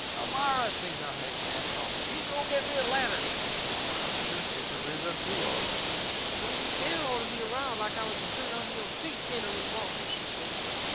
"Elmira," sings out Hank, mad and bossy, "you go get me a ladder!" But Elmira, her temper riz up too, all of a sudden. "Don't you dare order me around like I was the dirt under your feet, Hennerey Walters," she says.